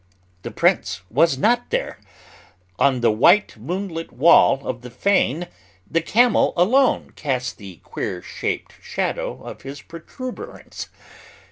The prince was not there. On the white moonlit wall of the fane the camel alone cast the queer shaped shadow of his protuberance.